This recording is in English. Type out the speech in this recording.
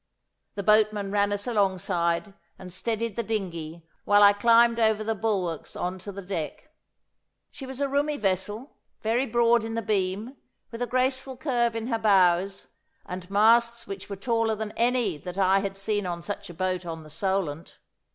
The boatmen ran us alongside and steadied the dinghy while I climbed over the bulwarks on to the deck. She was a roomy vessel, very broad in the beam, with a graceful curve in her bows, and masts which were taller than any that I had seen on such a boat on the Solent.